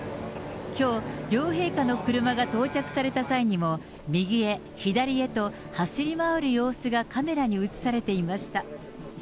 きょう、両陛下の車が到着された際にも、右へ左へと、走り回る様子がカメラに映されていました。